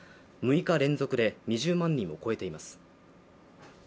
６日連続で２０万人を超えています。